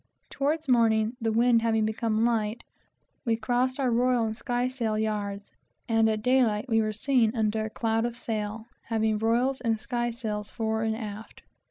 Toward morning, the wind having become light, we crossed our royal and skysail yards, and at daylight we were seen under a cloud of sail, having royal and skysails fore and aft.